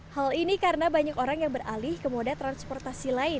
hal ini karena banyak orang yang beralih ke moda transportasi lain